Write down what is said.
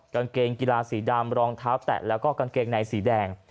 กางเกงกีฬาสีดำรองเท้าแตะแล้วก็กางเกงในสีแดง